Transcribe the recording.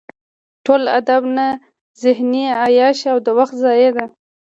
ټول ادب نه ذهني عیاشي او د وخت ضایع ده.